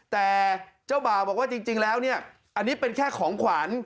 แต่เจ้าบ่าวบอกว่าจริงแล้วเนี่ยอันนี้เป็นแค่ของขวัญ